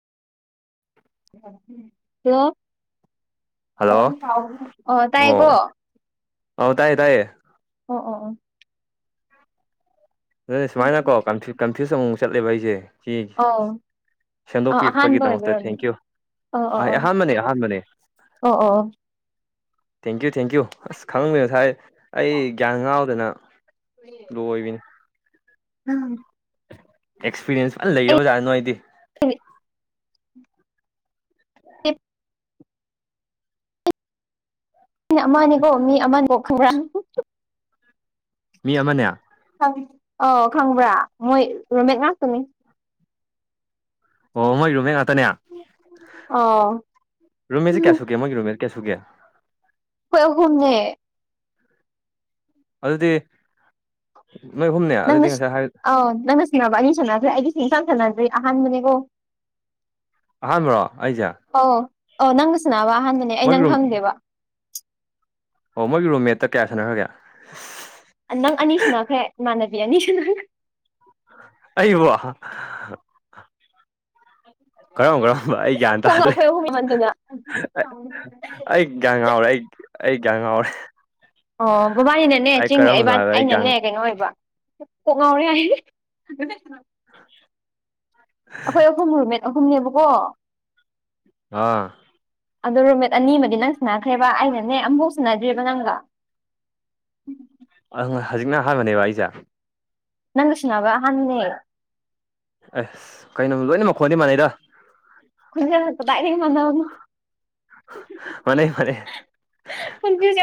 hello hello ꯑꯣ ꯇꯥꯏꯀꯣ ꯑꯧ ꯇꯥꯏꯌꯦ ꯇꯥꯏꯌꯦ ꯑꯣ ꯑꯣ ꯑꯣ ꯑꯗꯨꯅ ꯁꯨꯃꯥꯏꯅ ꯑꯣ ꯀꯣ ꯀꯟ꯭ꯐꯌꯨꯁ ꯑꯃꯨꯛꯃꯨꯛ ꯆꯠꯂꯦꯕ ꯑꯩꯁꯦ ꯁꯤ ꯑꯎ ꯑ ꯑꯍꯥꯟꯕ ꯑꯣꯏꯕꯩ ꯁꯦꯝꯗꯣꯛꯄꯤꯔꯛꯄꯒꯤꯗꯃꯛꯇ ꯑꯣꯏꯔꯝꯅꯤ ꯊꯦꯡꯀ꯭ꯌꯨ ꯑꯣ ꯑꯣ ꯑꯩ ꯑꯣ ꯑꯍꯥꯟꯕꯅꯦ ꯑꯍꯥꯟꯕꯅꯦ ꯑꯣ ꯑꯣ ꯑꯣ ꯊꯦꯡꯀ꯭ꯌꯨ ꯊꯦꯡꯀ꯭ꯌꯨ ꯑꯁ ꯈꯪꯉꯕꯅꯉꯁꯥꯏ ꯑꯩ ꯒ꯭ꯌꯥꯟ ꯉꯥꯎꯗꯅ ꯂꯣꯏꯕꯤꯅꯦ [inaudible] ꯎꯝ ꯑꯦꯛꯁꯄꯤꯔꯤꯌꯦꯟꯁ ꯐꯖꯅ ꯂꯩꯔꯕꯖꯥꯠꯅꯦ ꯅꯣꯏꯗꯤ [unintelligible] ꯃꯤ ꯑꯃꯅꯦꯀꯣ ꯃꯤ ꯑꯃꯅꯦꯕꯣ ꯈꯪꯕ꯭ꯔꯥ ꯃꯤ ꯑꯃꯅꯦ ꯑꯣ ꯈꯪꯕ꯭ꯔꯥ ꯃꯣꯏ ꯔꯣꯃꯤꯠ ꯉꯥꯛꯇꯅꯤ ꯑꯣ ꯃꯣꯏ ꯔꯨꯃꯦꯠ ꯉꯥꯛꯇꯅꯦ ꯑꯣ ꯔꯨꯝꯃꯦꯁꯦ ꯀꯌꯥꯁꯨꯒꯦ ꯃꯣꯏꯒꯤ ꯔꯨꯝꯃꯦꯠ ꯀꯌꯥꯁꯨꯒꯦ ꯑꯈꯣꯏ ꯑꯍꯨꯝꯅꯦ ꯑꯗꯨꯗꯤ ꯅꯣꯏ ꯑꯍꯨꯝꯅꯦ ꯑꯗꯨꯗꯤ ꯉꯁꯥꯏ ꯍꯥꯏ ꯑꯎ ꯅꯪꯅ ꯁꯅꯕ ꯑꯅꯤ ꯁꯥꯟꯅꯈ꯭ꯔꯦ ꯑꯩꯗꯤ ꯁꯨꯡꯁꯥꯟ ꯁꯥꯟꯅꯗ꯭ꯔꯤ ꯑꯍꯥꯟꯕꯅꯦꯀꯣ ꯑꯍꯥꯟꯕ꯭ꯔꯣ ꯑꯩꯁꯦ ꯑꯣ ꯑꯣ ꯅꯪꯒ ꯁꯟꯅꯥꯕ ꯑꯍꯥꯟꯕꯅꯦ ꯑꯩ ꯃꯣꯏꯒꯤ ꯅꯪ ꯔꯨꯝ ꯈꯪꯗꯦꯕ ꯑꯣ ꯃꯣꯏꯒꯤ ꯔꯣ ꯃꯦꯠꯇ ꯀꯌꯥ ꯁꯥꯟꯅꯈ꯭ꯔꯒꯦ ꯅꯪ ꯑꯅꯤꯁꯨ ꯅꯈ꯭ꯔꯦ ꯏꯃꯥꯟꯅꯕꯤ ꯑꯅꯤꯁꯤꯅꯈ꯭ꯔꯦ ꯑꯏ ꯋꯥ ꯀꯔꯣꯝ ꯀꯔꯝꯕ ꯑꯩ ꯒ꯭ꯌꯥꯟ ꯀꯣꯛ ꯉꯥꯎ ꯇꯥꯗ꯭ꯔꯦ ꯑꯩꯈꯣꯏ ꯑꯍꯨꯝ ꯏꯃꯟꯗꯅ ꯑꯣ ꯑꯩ ꯒ꯭ꯌꯥꯟ ꯉꯥꯎꯔꯦ ꯑꯩ ꯑꯩ ꯒ꯭ꯌꯥ ꯉꯥꯎꯔꯦ ꯑꯣ ꯕꯕꯥꯅꯤꯅꯅꯦ ꯑꯩ ꯆꯤꯡꯅꯦ ꯀꯔꯝꯕꯅꯣ ꯏꯕꯥ ꯍꯥꯏꯕ ꯑꯩ ꯒ꯭ꯌꯥꯟ ꯑꯩꯅꯅꯦ ꯀꯩꯅꯣ ꯑꯣꯏꯕ ꯀꯣꯛ ꯉꯥꯎꯔꯦ ꯍꯥꯏ [inaudible] ꯑꯩꯈꯣꯏ ꯑꯍꯨꯝ ꯔꯨꯝꯃꯦꯠ ꯑꯍꯨꯝꯅꯦꯕꯀꯣ ꯑꯥ ꯑꯗꯣ ꯔꯨꯃꯦꯠ ꯑꯅꯤꯃꯗꯤ ꯅꯪ ꯁꯟꯅꯈ꯭ꯔꯦꯕ ꯑꯩꯅꯅꯦ ꯑꯃꯨꯐꯥꯎ ꯁꯨꯟꯅꯗ꯭ꯔꯤꯕ ꯅꯪꯒ ꯍꯧꯖꯤꯛꯅ ꯑꯍꯥꯟꯕꯅꯦꯕ ꯑꯩꯁꯦ ꯅꯪꯒ ꯁꯟꯅꯕ ꯑꯍꯥꯟꯕꯅꯦ ꯑꯁ ꯀꯩꯅꯣ ꯂꯣꯏꯅ ꯃꯈꯣꯟꯗꯤ ꯃꯥꯟꯅꯩꯗ ꯈꯨꯟꯖꯥꯗ ꯀꯗꯥꯏꯗꯒꯤ ꯃꯥꯟꯅꯅꯣ ꯃꯥꯟꯅꯩ ꯃꯥꯟꯅꯩ ꯈꯨꯟꯁꯤꯁꯦ